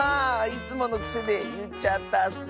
いつものくせでいっちゃったッス。